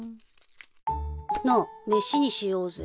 なあ飯にしようぜ。